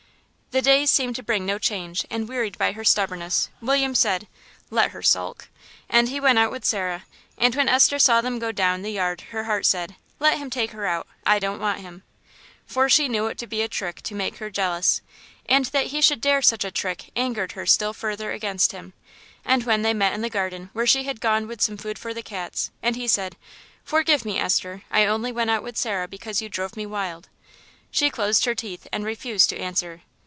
The days seemed to bring no change, and wearied by her stubbornness, William said, "Let her sulk," and he went out with Sarah; and when Esther saw them go down the yard her heart said, "Let him take her out, I don't want him." For she knew it to be a trick to make her jealous, and that he should dare such a trick angered her still further against him, and when they met in the garden, where she had gone with some food for the cats, and he said, "Forgive me, Esther, I only went out with Sarah because you drove me wild," she closed her teeth and refused to answer.